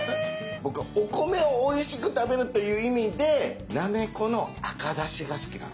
僕はお米をおいしく食べるという意味でなめこの赤だしが好きなんです。